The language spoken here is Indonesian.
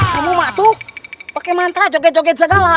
kamu maktu pake mantra joget joget segala